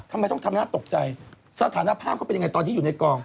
ทำไมต้องทำหน้าตกใจสถานภาพเขาเป็นยังไงตอนที่อยู่ในกอง